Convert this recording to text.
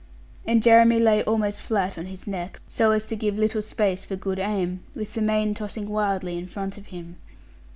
And Jeremy lay almost flat on his neck, so as to give little space for good aim, with the mane tossing wildly in front of him.